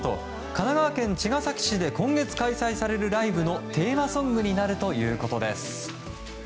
神奈川県茅ヶ崎市で今月、開催されるライブのテーマソングになるということです。